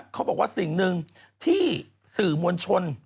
เขาบอกว่าสิ่งหนึ่งที่สื่อมวลชน